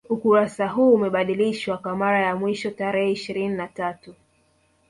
Ukurasa huu umebadilishwa kwa mara ya mwisho tarehe ishirini na tatu